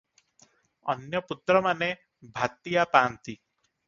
ଅନ୍ୟ ପୁତ୍ରମାନେ ଭାତିଆ ପାଆନ୍ତି ।